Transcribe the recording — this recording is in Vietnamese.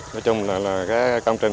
nói chung là cái công trình